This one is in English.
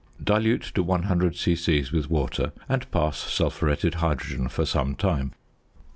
Dilute to 100 c.c. with water, and pass sulphuretted hydrogen for some time.